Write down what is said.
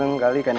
seneng kali kan ya